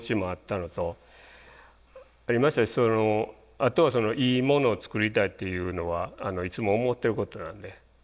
あといいものを作りたいっていうのはいつも思ってることなんで。